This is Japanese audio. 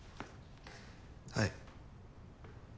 はい。